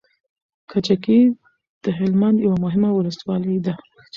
کجکی د هلمند يوه مهمه ولسوالي ده